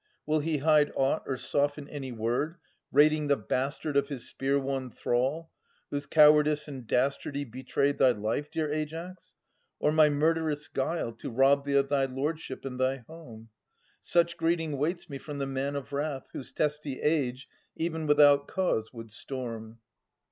Will he hide aught or soften any word. 88 Ams [1013 1044 Rating the bastard of his spear won thrall, Whose cowardice and dastardy betrayed Thy life, dear Aias, — or my murderous guile. To rob thee of thy lordship and thy home ? Such greeting waits me from the man of wrath, Whose testy age even without cause would storm.